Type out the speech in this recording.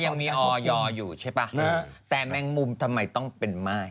ยังมีออยอยู่ใช่ป่ะแต่แมงมุมทำไมต้องเป็นม่าย